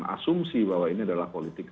asumsi bahwa ini adalah politik